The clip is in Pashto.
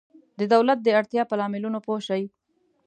د دولت د اړتیا په لاملونو پوه شئ.